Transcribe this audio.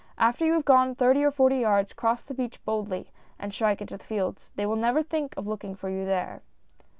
After you have gone thirty or forty yards, cross the beach boldly, and strike into the fields. They will never think of looking for you there."